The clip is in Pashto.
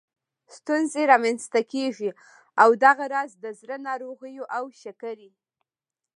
ستونزې رامنځته کېږي او دغه راز د زړه ناروغیو او شکرې